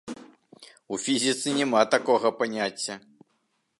У фізіцы няма такога паняцця!